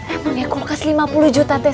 emangnya kulkas rp lima puluh juta teh